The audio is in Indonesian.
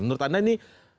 menurut anda ini